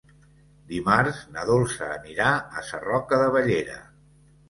Dimarts na Dolça anirà a Sarroca de Bellera.